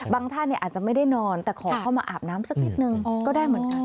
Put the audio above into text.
ท่านอาจจะไม่ได้นอนแต่ขอเข้ามาอาบน้ำสักนิดนึงก็ได้เหมือนกัน